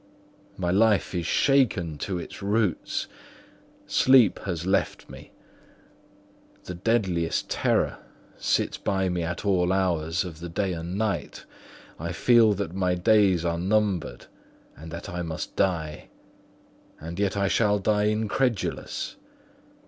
My life is shaken to its roots; sleep has left me; the deadliest terror sits by me at all hours of the day and night; and I feel that my days are numbered, and that I must die; and yet I shall die incredulous.